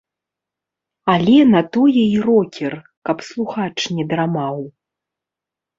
Але на тое і рокер, каб слухач не драмаў.